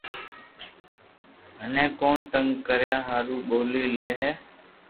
مني ڪون تنگ ڪريئا ھارون نوم لئي لي